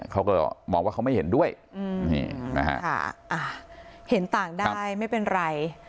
เขาก็มองว่าเขาไม่เห็นด้วยนี่นะฮะเห็นต่างได้ไม่เป็นไร